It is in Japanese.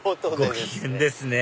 ご機嫌ですね